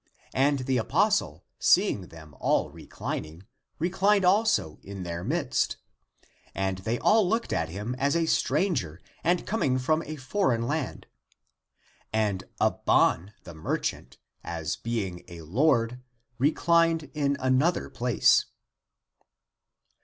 And the apostle, seeing them all reclining, reclined also in their midst. And they all looked at him as a stranger, and coming from a foreign land. And Abban the merchant, as being a lord, reclined in another place.